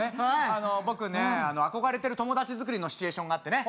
あの僕ね憧れてる友達づくりのシチュエーションがあってね